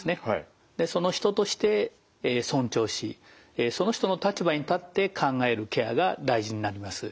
人として尊重しその人の立場に立って考えるケアが大事になります。